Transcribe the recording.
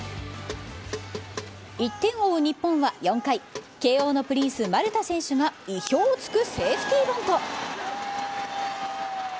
１点を追う日本は４回、慶応のプリンス丸田選手が意表を突くセーフティーバント。